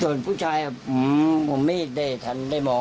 ส่วนผู้ชายผมไม่ได้ทันได้มอง